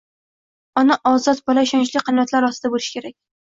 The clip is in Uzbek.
ona ozod, bola ishonchli qanotlar ostida bo'lishi kerak.